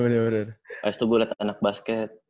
abis itu gue liat anak basket